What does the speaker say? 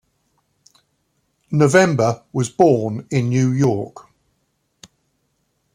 November was born in New York.